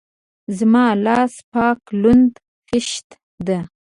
زما لاس پاک لوند خيشت ده.